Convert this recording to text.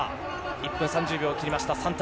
１分３０秒を切りました。